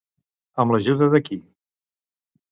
Amb l'ajuda de qui?